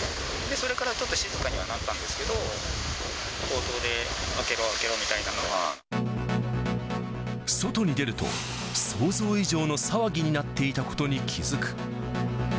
それからちょっと静かにはなったんですけど、口頭で、開けろ開け外に出ると、想像以上の騒ぎになっていたことに気付く。